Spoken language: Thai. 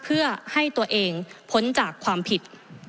เพื่อให้ตัวเองพ้นจากความผิด